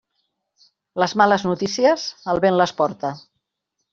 Les males notícies, el vent les porta.